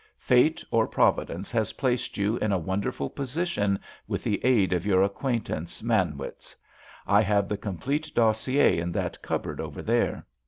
Fate or Providence has placed you in a wonderful position with the aid of your acquaintance, Manwitz. I have the complete dossier in that cupboard over there."